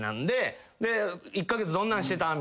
１カ月どんなんしてたん？